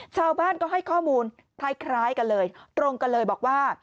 ชาวบ้านก็ให้ข้อมูลคล้ายกันเลยตรงกันเลยบอกว่า